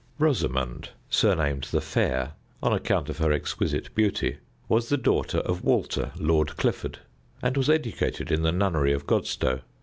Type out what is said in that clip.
Rosamond, surnamed the Fair on account of her exquisite beauty, was the daughter of Walter, Lord Clifford, and was educated in the nunnery of Godstow.